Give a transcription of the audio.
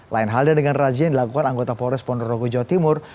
lain halnya dengan razia yang dilakukan anggota polres ponorogo jawa timur